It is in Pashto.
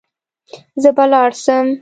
زه به لاړ سم.